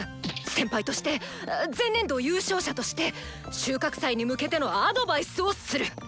先輩として前年度優勝者として収穫祭に向けてのアドバイスをする。